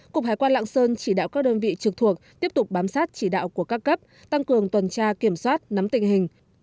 cục hải quan lạng sơn chỉ đạo các đơn vị trực thuộc tiếp tục bám sát chỉ đạo của các cấp tăng cường tuần tra kiểm soát nắm tình hình